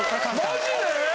マジで！？